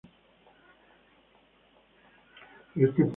Este sepulcro fue realizado por Simón de Colonia, padre del anterior.